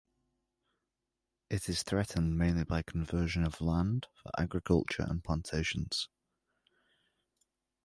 It is threatened mainly by conversion of land for agriculture and plantations.